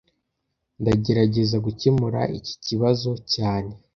Ndagerageza gukemura iki kibazo cyane